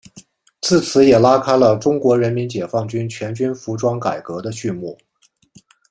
自此也拉开了中国人民解放军全军服装改革的序幕。